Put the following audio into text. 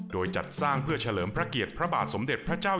โดยจัดสร้างเพื่อเฉลิมพระเกียรติพระบาทสมเด็จพระเจ้า